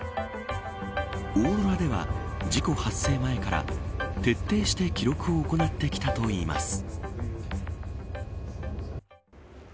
おーろらでは事故発生前から徹底して記録を行ってきたといいます。